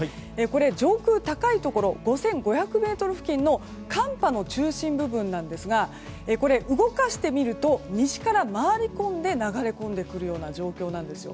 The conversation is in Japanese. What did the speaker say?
上空、高いところ５５００ｍ付近の寒波の中心付近なんですがこれ、動かしてみると西から回り込んで流れ込んでくるような状況です。